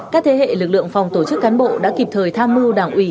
các thế hệ lực lượng phòng tổ chức cán bộ đã kịp thời tham mưu đảng ủy